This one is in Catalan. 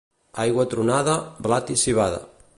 Aigua tronada, blat i civada.